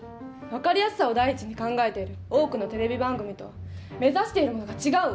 分かりやすさを第一に考えている多くのテレビ番組とは目指しているものが違うわ。